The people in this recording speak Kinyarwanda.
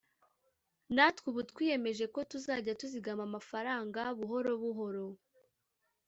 natwe ubu twiyemeje ko tuzajya tuzigama amafaranga buhorobuhoro